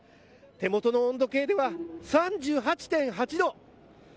手元の温度計では３８．８度。